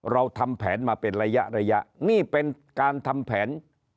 เราทำแผนมาเป็นระยะระยะนี่เป็นการทำแผน